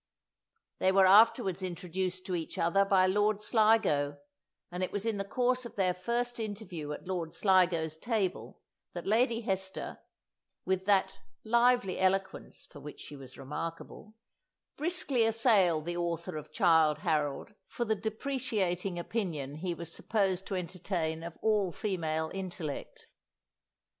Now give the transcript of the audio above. They were afterwards introduced to each other by Lord Sligo, and it was in the course of their first interview at Lord Sligo's table that Lady Hester, with that "lively eloquence" for which she was remarkable, briskly assailed the author of "Childe Harold" for the depreciating opinion he was supposed to entertain of all female intellect.